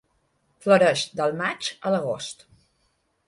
Floreix del maig a l'agost.